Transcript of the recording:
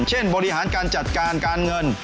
บริหารการจัดการการเงิน